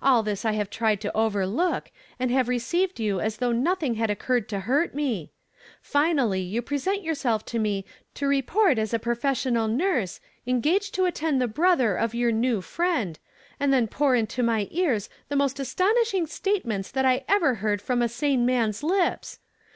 All this I have tried to overlook, ana ^ e received yon as though noth ing had octii cd to hurt me. FinjiUy you pre sent youi sel to me to report as u professional nui se, engaged to attend the h other of your new friend, and then pour into my eai s the most astonishing statements that I ever heard from a sane man's lips